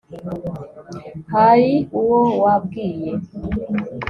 hari uwo wabwiye